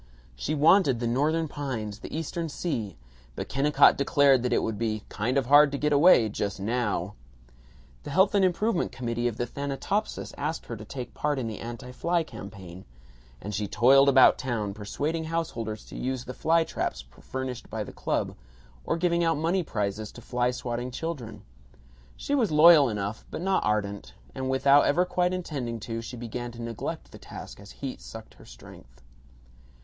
She wanted the Northern pines, the Eastern sea, but Kennicott declared that it would be "kind of hard to get away, just NOW." The Health and Improvement Committee of the Thanatopsis asked her to take part in the anti fly campaign, and she toiled about town persuading householders to use the fly traps furnished by the club, or giving out money prizes to fly swatting children. She was loyal enough but not ardent, and without ever quite intending to, she began to neglect the task as heat sucked at her strength.